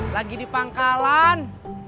lagi di pangkalan